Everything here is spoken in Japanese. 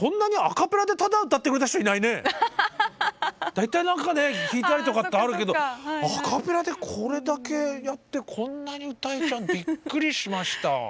大体何かね弾いたりとかってあるけどアカペラでこれだけやってこんなに歌えちゃうビックリしました。